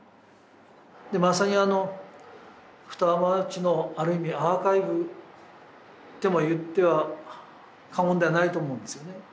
でまさにあの双葉町のある意味アーカイブといって過言ではないと思うんですよね